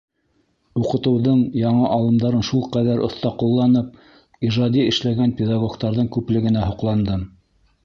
Уҡытыуҙың яңы алымдарын шул ҡәҙәр оҫта ҡулланып, ижади эшләгән педагогтарҙың күплегенә һоҡландым.